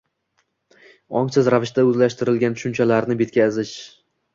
– ongsiz ravishda o‘zlashtirilgan tushunchalarni ketkazish